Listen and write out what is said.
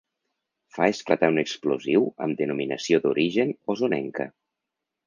Fa esclatar un explosiu amb denominació d'origen osonenca.